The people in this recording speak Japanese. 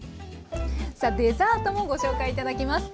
さあデザートもご紹介頂きます。